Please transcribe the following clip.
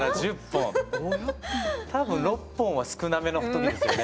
多分６本は少なめの時ですよね。